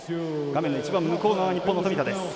画面の一番向こう側日本の富田です。